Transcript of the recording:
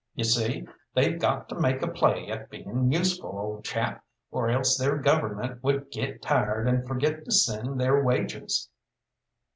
You see, they've got to make a play at being useful, old chap, or else their Government would get tired and forget to send their wages."